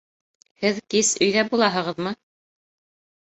Һеҙ кис өйҙә булаһығыҙмы?